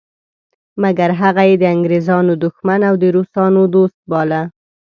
مګر هغه یې د انګریزانو دښمن او د روسانو دوست باله.